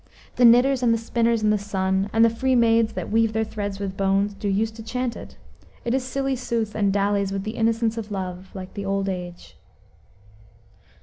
The knitters and the spinners in the sun And the free maids that weave their threads with bones Do use to chant it; it is silly sooth And dallies with the innocence of love Like the old age."